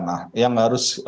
nah yang harus